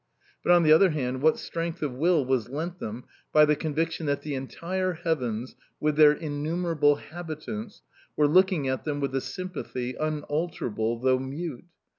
But, on the other hand, what strength of will was lent them by the conviction that the entire heavens, with their innumerable habitants, were looking at them with a sympathy, unalterable, though mute!...